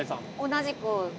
同じく。